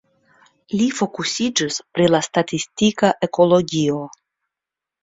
Li fokusiĝis pri la statistika ekologio.